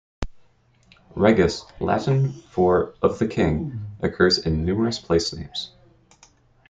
"Regis", Latin for "of the king", occurs in numerous placenames.